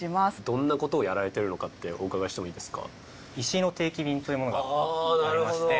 どんな事をやられてるのかってお伺いしてもいいですか？というものがありまして。